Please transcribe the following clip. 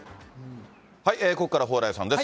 ここからは蓬莱さんです。